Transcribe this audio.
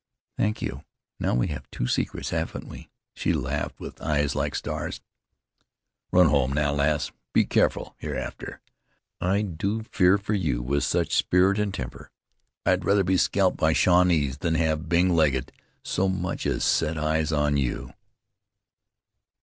"Thank you. Now we have two secrets, haven't we?" she laughed, with eyes like stars. "Run home now, lass. Be careful hereafter. I do fear for you with such spirit an' temper. I'd rather be scalped by Shawnees than have Bing Legget so much as set eyes on you."